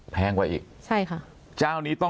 แพงกว่าอีก